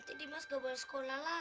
terima kasih bu